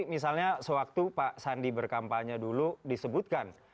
misalnya sewaktu pak sandi berkampanye dulu disebutkan